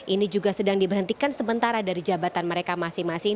ini juga sedang diberhentikan sementara dari jabatan mereka masing masing